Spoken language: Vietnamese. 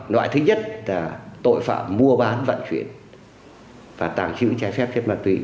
loại thứ nhất là tội phạm mua bán vận chuyển và tàng trữ trái phép chất ma túy